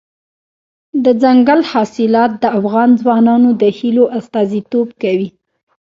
دځنګل حاصلات د افغان ځوانانو د هیلو استازیتوب کوي.